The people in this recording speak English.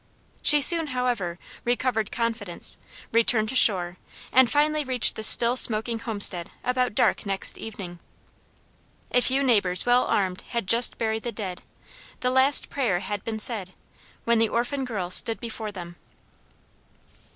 She soon, however, recovered confidence, returned to shore, and finally reached the still smoking homestead about dark next evening. A few neighbors well armed had just buried the dead; the last prayer had been said, when the orphan girl stood before them.